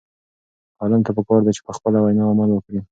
عالم ته پکار ده چې په خپله وینا عمل وکړي.